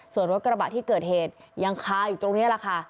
ส่วนรถกระบะที่เกิดเหตุยังคาอยู่ตรงนี้แหละค่ะ